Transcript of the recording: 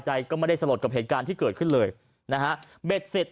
ใจก็ไม่ได้สลดกับเหตุการณ์ที่เกิดขึ้นเลยนะฮะเบ็ดเสร็จ